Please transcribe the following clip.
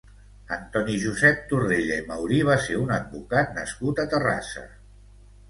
Antoni Josep Torrella i Maurí va ser un advocat nascut a Terrassa.